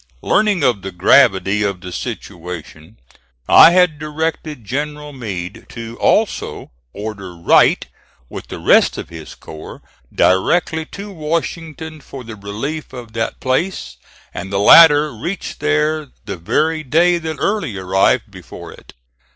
Learning of the gravity of the situation I had directed General Meade to also order Wright with the rest of his corps directly to Washington for the relief of that place, and the latter reached there the very day that Early arrived before it.